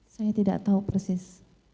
saya tidak tahu persis